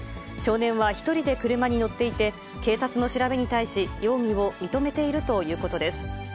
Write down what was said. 少年は１人で車に乗っていて、警察の調べに対し、容疑を認めているということです。